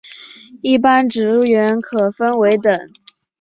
一般职员可分为等。